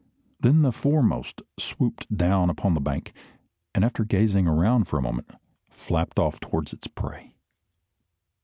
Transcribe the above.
Then the foremost swooped down upon the bank, and after gazing around for a moment, flapped off towards its prey.